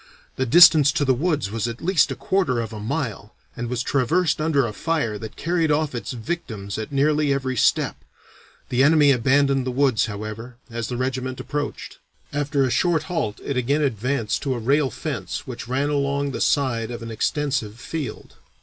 The distance to the woods was at least a quarter of a mile, and was traversed under a fire that carried off its victims at nearly every step. The enemy abandoned the woods, however, as the regiment approached. After a short halt it again advanced to a rail fence which ran along the side of an extensive field.